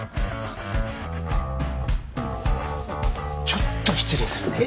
ちょっと失礼するね。